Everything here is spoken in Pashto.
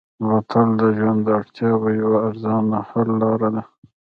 بوتل د ژوند د اړتیاوو یوه ارزانه حل لاره ده.